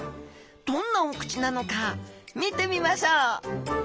どんなお口なのか見てみましょう！